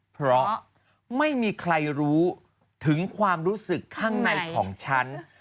เพราะไม่มีใครรู้ถึงความรู้สึกข้างในของฉัน